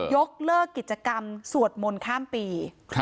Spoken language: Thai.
ยกเลิกกิจกรรมสวดมนต์ข้ามปี